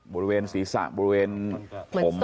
บริเวณศีรษะบริเวณผม